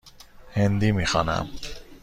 هندی می خوانم.